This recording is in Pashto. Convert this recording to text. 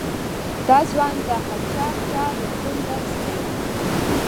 دا ځوان د هه چه ښار روغتون نرس دی.